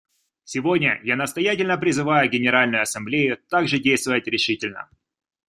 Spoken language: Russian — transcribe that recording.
Сегодня я настоятельно призываю Генеральную Ассамблею также действовать решительно.